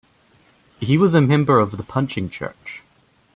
He was a member of the Punching Church.